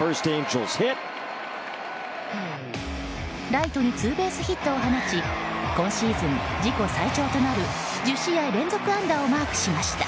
ライトにツーベースヒットを放ち今シーズン自己最長となる１０試合連続安打をマークしました。